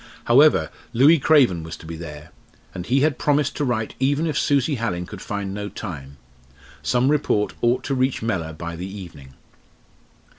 However, Louis Craven was to be there. And he had promised to write even if Susie Hallin could find no time. Some report ought to reach Mellor by the evening.